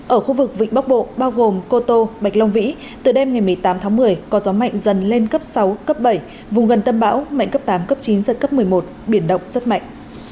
ở khu vực vịnh bắc bộ bao gồm cô tô bạch long vĩ từ đêm ngày một mươi tám tháng một mươi có gió mạnh dần lên cấp sáu cấp bảy vùng gần tâm bão mạnh cấp tám cấp chín giật cấp một mươi một biển động rất mạnh